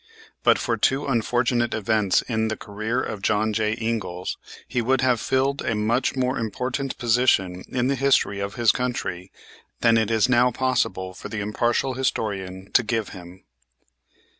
But for two unfortunate events in the career of John J. Ingalls he would have filled a much more important position in the history of his country than it is now possible for the impartial historian to give him.